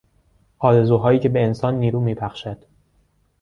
آرزوهایی که به انسان نیرو میبخشد